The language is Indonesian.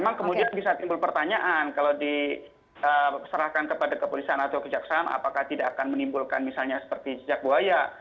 memang kemudian bisa timbul pertanyaan kalau diserahkan kepada kepolisian atau kejaksaan apakah tidak akan menimbulkan misalnya seperti jejak buaya